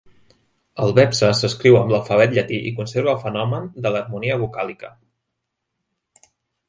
El vepse s'escriu amb l'alfabet llatí i conserva el fenomen de l'harmonia vocàlica.